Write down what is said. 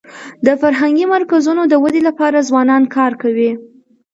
د فرهنګي مرکزونو د ودي لپاره ځوانان کار کوي.